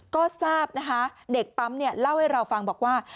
ก็ทราบนะคะเด็กปั๊มเนี่ยเล่าให้เราฟังบอกว่า